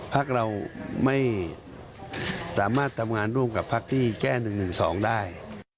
พักเราไม่สามารถทำงานร่วมกับพักที่แก้๑๑๒ได้